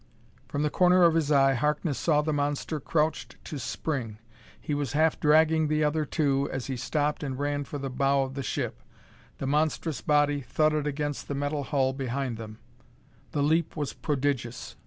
From the corner of his eye, Harkness saw the monster crouched to spring. He was half dragging the other two as he stooped and ran for the bow of the ship. The monstrous body thudded against the metal hull behind them. The leap was prodigious.